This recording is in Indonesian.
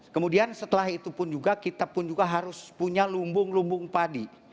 kemudian setelah itu pun juga kita pun juga harus punya lumbung lumbung padi